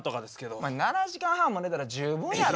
お前７時間半も寝たら十分やろ。